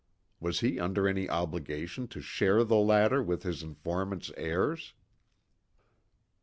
Was he under any obligation to share the latter with his informant's heirs?